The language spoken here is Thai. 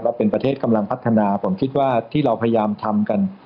แล้วเป็นประเทศกำลังพัฒนาผมคิดว่าที่เราพยายามทำกัน